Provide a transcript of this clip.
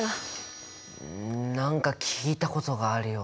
ん何か聞いたことがあるような。